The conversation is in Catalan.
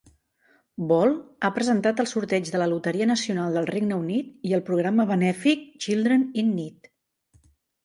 Ball ha presentat el sorteig de la loteria nacional del Regne Unit i el programa benèfic "Children in Need".